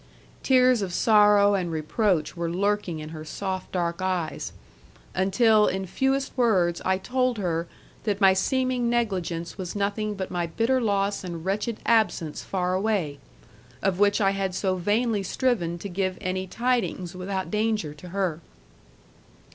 Tears of sorrow and reproach were lurking in her soft dark eyes, until in fewest words I told her that my seeming negligence was nothing but my bitter loss and wretched absence far away; of which I had so vainly striven to give any tidings without danger to her.